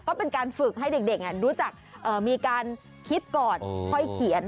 ก็เป็นการฝึกให้เด็กรู้จักมีการคิดก่อนค่อยเขียน